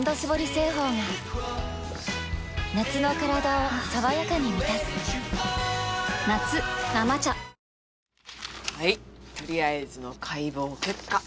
製法が夏のカラダを爽やかに満たす夏「生茶」はいとりあえずの解剖結果。